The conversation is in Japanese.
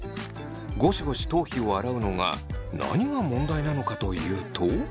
ゴシゴシ頭皮を洗うのが何が問題なのかというと。